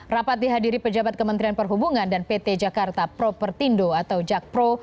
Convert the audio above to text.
rapat dihadiri pejabat kementerian perhubungan dan pt jakarta propertindo atau jakpro